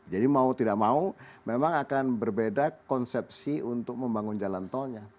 jadi mau tidak mau memang akan berbeda konsepsi untuk membangun jalan tol